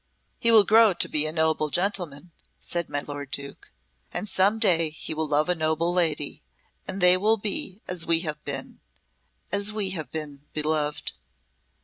"He will grow to be a noble gentleman," said my lord Duke. "And some day he will love a noble lady, and they will be as we have been as we have been, beloved."